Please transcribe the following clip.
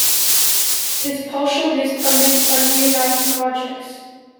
This partial list omits unrealized projects.